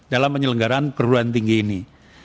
dalam penyelenggaran keguruan tinggi ini